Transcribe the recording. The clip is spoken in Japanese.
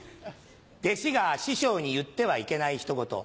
弟子が師匠に言ってはいけないひと言。